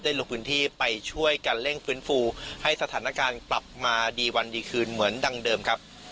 ลงพื้นที่ไปช่วยกันเร่งฟื้นฟูให้สถานการณ์กลับมาดีวันดีคืนเหมือนดังเดิมครับ